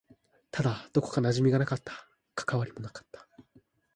ただ、どこか馴染みがなかった。関わりもなかった。